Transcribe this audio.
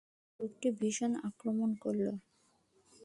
লোকটি ভীষণ আক্রমণ করল।